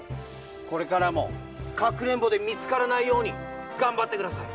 これからもかくれんぼでみつからないようにがんばってください！